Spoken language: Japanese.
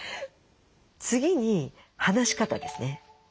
次に話し方ですね。